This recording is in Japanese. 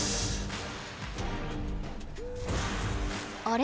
あれ？